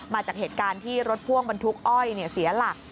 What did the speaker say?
มาจากเหตุการณ์ที่รถพ่วงบรรทุกอ้อยเสียหลัก